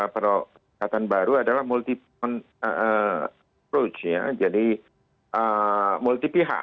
pendekatan baru adalah multi front approach ya jadi multi pihak